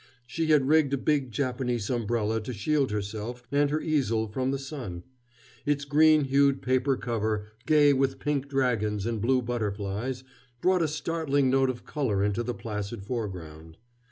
She had rigged a big Japanese umbrella to shield herself and her easel from the sun. Its green hued paper cover, gay with pink dragons and blue butterflies, brought a startling note of color into the placid foreground.